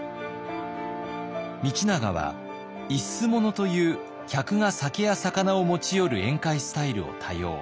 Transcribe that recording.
道長は一種物という客が酒や肴を持ち寄る宴会スタイルを多用。